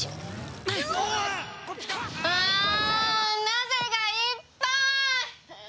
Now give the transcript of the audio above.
「なぜ」がいっぱーい！